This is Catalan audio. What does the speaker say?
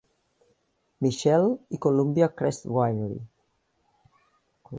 Michelle, i Columbia Crest Winery.